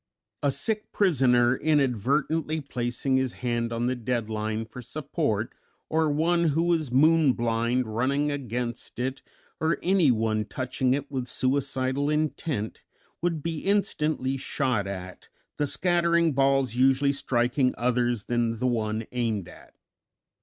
A sick prisoner inadvertently placing his hand on the dead line for support, or one who was "moon blind" running against it, or anyone touching it with suicidal intent, would be instantly shot at, the scattering balls usually striking others than the one aimed at.